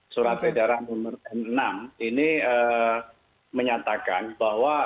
surat edaran nomor enam ini menyatakan bahwa